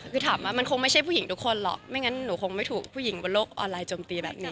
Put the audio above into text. คือถามว่ามันคงไม่ใช่ผู้หญิงทุกคนหรอกไม่งั้นหนูคงไม่ถูกผู้หญิงบนโลกออนไลน์จมตีแบบนี้